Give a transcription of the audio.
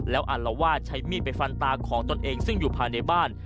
แล้วอารวาสใช้มีดไปฟันตาของตนเองซึ่งอยู่ภายในบ้าน